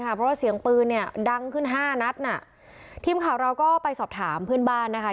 เพราะว่าเสียงปืนเนี่ยดังขึ้นห้านัดน่ะทีมข่าวเราก็ไปสอบถามเพื่อนบ้านนะคะ